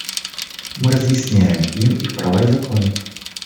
Мы разъясняем им их права и законы.